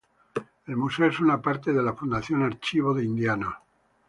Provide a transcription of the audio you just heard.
El museo es una parte de la Fundación Archivo de Indianos.